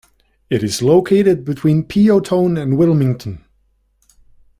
It is located between Peotone and Wilmington.